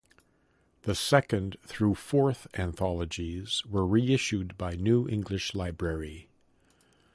The second through fourth anthologies were reissued by New English Library.